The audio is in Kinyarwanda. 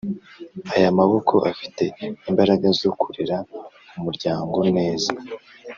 aya maboko afite imbaraga zo kurera umuryango neza,